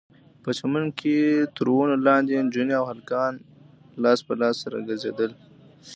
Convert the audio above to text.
په چمن کښې تر ونو لاندې نجونې او هلکان لاس په لاس سره ګرځېدل.